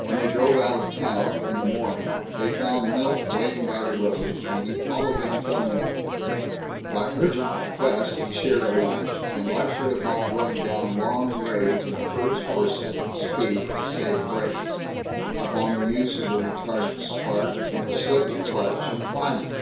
When they drove out of town, in the morning, they found Milt waiting by the road, and he followed them till noon. By urgent request, he shared a lunch, and lectured upon going down long grades in first or second speed, to save brakes; upon the use of the retarded spark and the slipped clutch in climbing.